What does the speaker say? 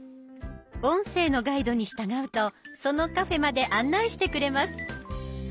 音声のガイドに従うとそのカフェまで案内してくれます。